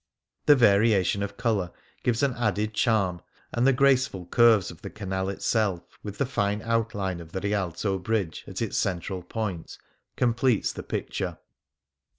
The variation of colour gives an added charm, and the graceful curves of the canal itself, with the fine outline of the Rialto Bridge at its central point, completes the picture.